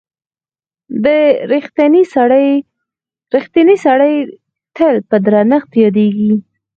• رښتینی سړی تل په درنښت یادیږي.